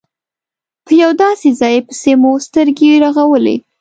په یو داسې ځای پسې مو سترګې رغولې.